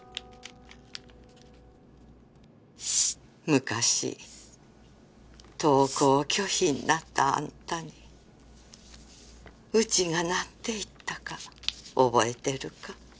昔登校拒否になったあんたにうちがなんて言ったか覚えてるか？